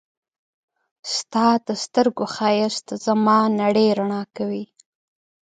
ستا د سترګو ښایست زما نړۍ رڼا کوي.